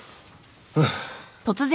うん。